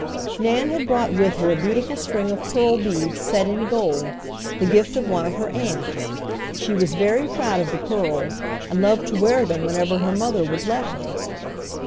Nan had brought with her a beautiful string of pearl beads set in gold, the gift of one of her aunts. She was very proud of the pearls and loved to wear them whenever her mother would let her.